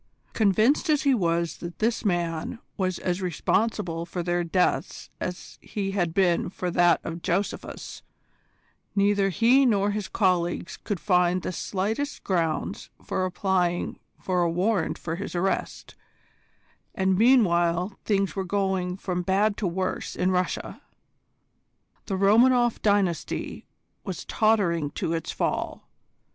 Convinced as he was that this man was as responsible for their deaths as he had been for that of Josephus, neither he nor his colleagues could find the slightest grounds for applying for a warrant for his arrest, and meanwhile things were going from bad to worse in Russia. The Romanoff dynasty was tottering to its fall.